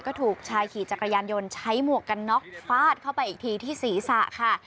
ก็ถูกชายขี่จักรยานยนต์ใช้หมวกกันน็อกฟาดเข้าไปอีกทีที่ศีรษะค่ะ